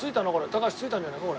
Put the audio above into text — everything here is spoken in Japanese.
高橋着いたんじゃないか？